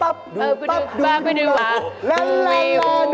เออไปดูหลังทำพี่น้อง